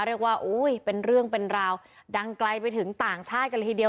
เรียกว่าเป็นเรื่องเป็นราวดังไกลไปถึงต่างชาติกันเลยทีเดียว